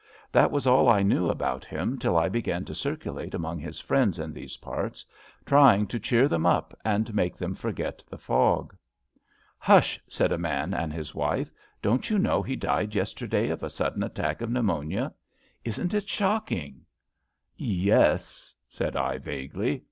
That was all I knew about him till I began to circulate among his friends in these parts, trying to cheer them up and make them forget the fog. Hush! '^ said a man and his wife. Don't you know he died yesterday of a sudden attack of pneumonia? Isn't it shocking? ''Yes,'' said I vaguely.